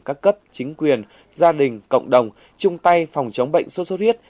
các cấp chính quyền gia đình cộng đồng chung tay phòng chống bệnh sốt xuất huyết